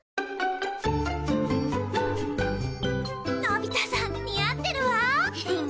のび太さん似合ってるわ。